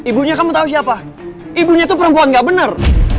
ibunya kamu tau siapa ibunya itu perempuan gak bener